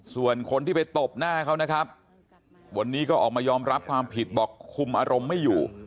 ส่วนคนที่ไปตบหน้าเขานะครับวันนี้ก็ออกมายอมรับความผิดบอกคุมอารมณ์ไม่อยู่